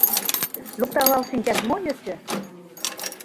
Лукталал шинчаш мо йӧсӧ?